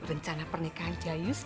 rencana pernikahan jayus